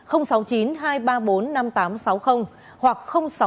hoặc sáu mươi chín hai trăm ba mươi hai một nghìn sáu trăm sáu mươi bảy